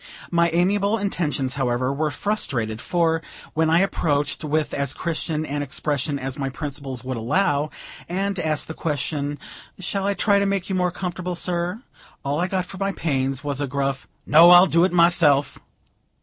My amiable intentions, however, were frustrated; for, when I approached, with as Christian an expression as my principles would allow, and asked the question "Shall I try to make you more comfortable, sir?" all I got for my pains was a gruff "No; I'll do it myself."